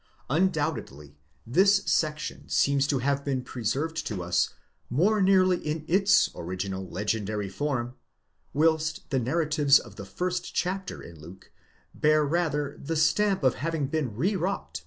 2> Undoubtedly this section seems to have been preserved to us more nearly in its original legendary form, whilst the narratives of the first chapter in Luke bear rather the stamp of having been re wrought by some 15 In Luc.